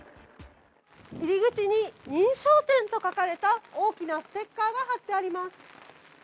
入り口に認証店と書かれた大きなステッカーが貼ってあります。